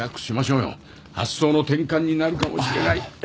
発想の転換になるかもしれない。